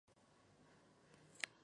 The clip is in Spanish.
Siguieron cuatro libros numerados más.